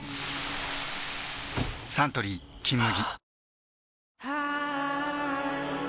サントリー「金麦」